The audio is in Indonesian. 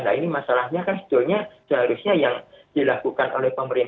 nah ini masalahnya kan sebetulnya seharusnya yang dilakukan oleh pemerintah